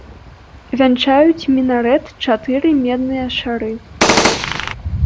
Вянчаюць мінарэт чатыры медныя шары.